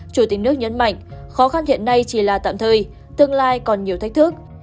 chủ tịch nước nhấn mạnh khó khăn hiện nay chỉ là tạm thời tương lai còn nhiều thách thức